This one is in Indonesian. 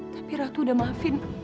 tapi ratu udah maafin